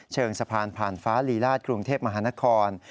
เชิงสะพานผ่านฟ้าลีลาศกรุงเทพมหานคร